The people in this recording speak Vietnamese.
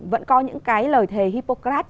vẫn có những cái lời thề hippocrates